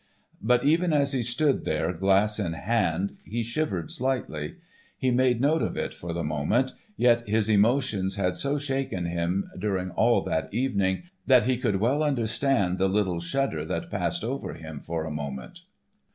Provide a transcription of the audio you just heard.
But even as he stood there, glass in hand, he shivered slightly. He made note of it for the moment, yet his emotions had so shaken him during all that evening that he could well understand the little shudder that passed over him for a moment.